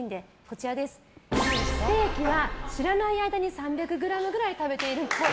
ステーキは知らない間に３００ｇぐらい食べてるっぽい。